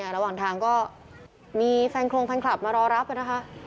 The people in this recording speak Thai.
ระหว่างทางก็มีแฟนโครงแฟนคลับมารอรับนะคะ